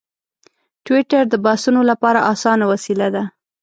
ټویټر د بحثونو لپاره اسانه وسیله ده.